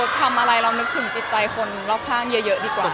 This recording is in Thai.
ทำอะไรเรานึกถึงจิตใจคนรอบข้างเยอะดีกว่า